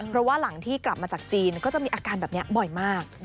เพราะว่าหลังที่กลับมาจากจีนก็จะมีอาการแบบนี้บ่อยมาก